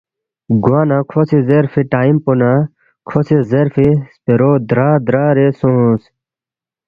گوانہ کھو سی زیرفی ٹائم پو نہ کھو سی زیرفی خپیرو درا درا رے سونگس